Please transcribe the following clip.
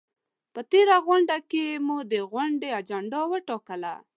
په تېره غونډه کې مو د غونډې اجنډا وټاکله؟